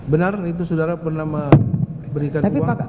benar itu saudara pernah memberikan uang